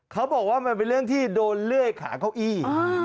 เขาบอกว่ามันเป็นเรื่องที่โดนเลื่อยขาเก้าอี้